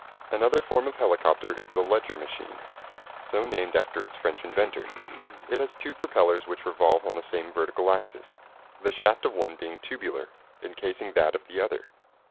Another form of helicopter is the Leger machine, so named after its French inventor. It has two propellers which revolve on the same vertical axis, the shaft of one being tubular, encasing that of the other.